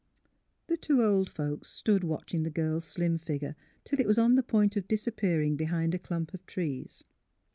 The two old folks stood watching the girl's slim figure till it was on the point of disappearing be hind a clump of trees.